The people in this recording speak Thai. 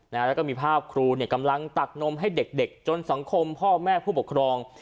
แล้วก็มีภาพครูเนี่ยกำลังตักนมให้เด็กจนสังคมพ่อแม่ผู้ปกครอง